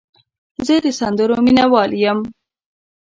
زه د سندرو مینه وال یم.